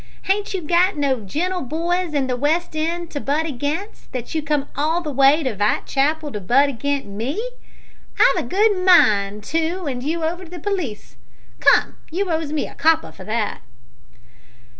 Hain't you got no genteel boys in the West end to butt agin, that you come all the way to Vitechapel to butt agin me? I've a good mind to 'and you over to the p'leece. Come, you owes me a copper for that."